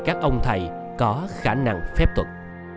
các ông thầy có khả năng phép thuật